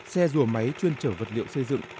xe rùa máy chuyên trở vật liệu xây dựng